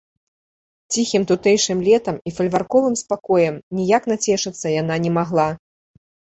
Ціхім тутэйшым летам і фальварковым спакоем ніяк нацешыцца яна не магла.